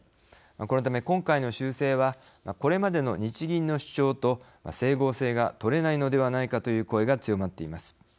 このため今回の修正はこれまでの日銀の主張と整合性がとれないのではないかという声が強まっています。